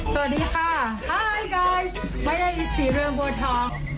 สวัสดีค่ะไว้ได้อีสีเรือนบัวท้อง